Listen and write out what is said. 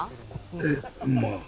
えっ、まあ。